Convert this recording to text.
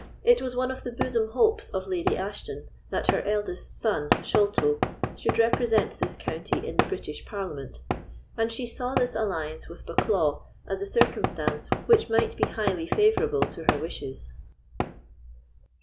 It was one of the bosom hopes of Lady Ashton that her eldest son, Sholto, should represent this county in the British Parliament, and she saw this alliance with Bucklaw as a circumstance which might be highly favourable to her wishes.